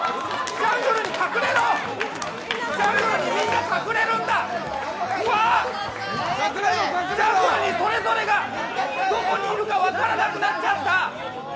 ジャングルにそれぞれがどこにいるか分からなくなっちゃった！